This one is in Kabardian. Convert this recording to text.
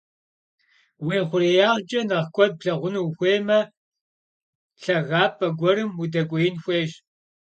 Vui xhurêyağç'e nexh kued plhağunu vuxuêyme, lhagap'e guerım vudek'uêin xuêyş.